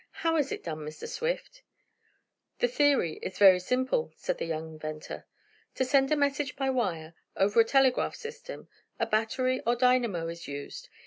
How is it done, Mr. Swift?" "The theory is very simple," said the young inventor. "To send a message by wire, over a telegraph system, a battery or dynamo is used.